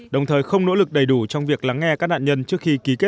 đồng thời không nỗ lực đầy đủ trong việc lắng nghe các đồng chí